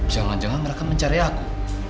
jangan jangan mereka mencari aku